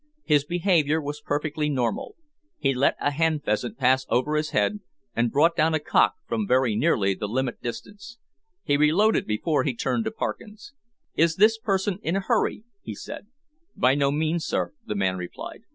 His behaviour was perfectly normal. He let a hen pheasant pass over his head, and brought down a cock from very nearly the limit distance. He reloaded before he turned to Parkins. "Is this person in a hurry?" he said. "By no means, sir," the man replied.